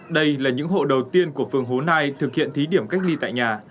đây là những hộ đầu tiên của phường hố nai thực hiện thí điểm cách ly tại nhà